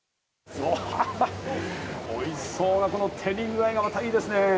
おいしそうな照り具合がまたいいですね。